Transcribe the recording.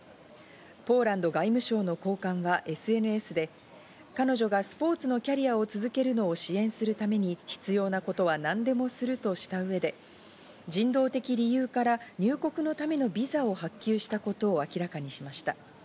ポーランド外務省の高官はＳＮＳで、彼女がスポーツのキャリアを続けるのを支援するために必要なことは何でもするとした上で、人道的理由から入国のためのビザを発給したことを明らかにしました。